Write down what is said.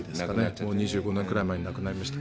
もう２５年くらい前に亡くなりました。